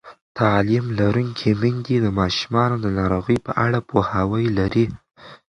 تعلیم لرونکې میندې د ماشومانو د ناروغۍ په اړه پوهاوی لري.